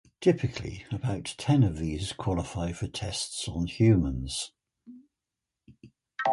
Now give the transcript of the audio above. Typically, about ten of these qualify for tests on humans.